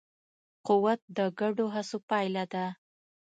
قوت د ګډو هڅو پایله ده.